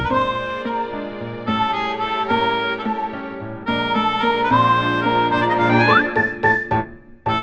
aku mau ke rumah